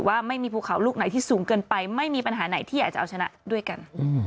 ว่าไม่มีภูเขาลูกไหนที่สูงเกินไปไม่มีปัญหาไหนที่อยากจะเอาชนะด้วยกัน